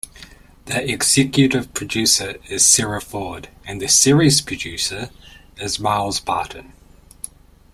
The executive producer is Sara Ford and the series producer is Miles Barton.